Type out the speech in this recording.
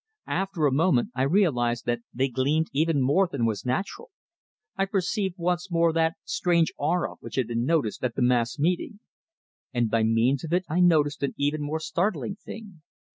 After a moment I realized that they gleamed even more than was natural; I perceived once more that strange "aura" which had been noticed at the mass meeting; and by means of it I noticed an even more startling thing.